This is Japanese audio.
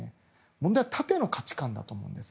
問題は縦の価値観だと思うんです。